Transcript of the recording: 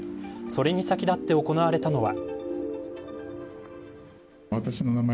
それに先立って行われたのは。